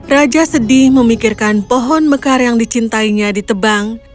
raja sedih memikirkan pohon mekar yang dicintainya ditebang